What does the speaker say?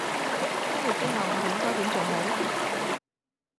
今日之後我哋應該點做好？